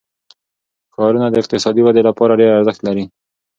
ښارونه د اقتصادي ودې لپاره ډېر ارزښت لري.